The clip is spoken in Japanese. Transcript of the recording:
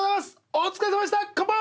お疲れさまでした乾杯！